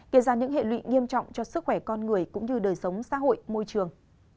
gây ra những hệ lụy nghiêm trọng cho sức khỏe con người cũng như đời sống xã hội môi trường